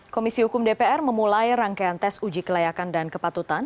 komisi hukum dpr memulai rangkaian tes uji kelayakan dan kepatutan